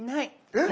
えっ！